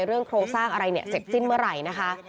โครงสร้างอะไรเนี่ยเสร็จสิ้นเมื่อไหร่นะคะ